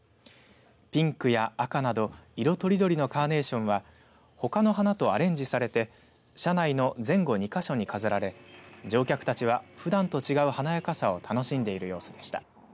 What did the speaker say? ピンクや赤など色とりどりのカーネーションはほかの花とアレンジされて車内の前後２か所に飾られ乗客たちは、ふだんと違う華やかさを楽しんでいる様子でした。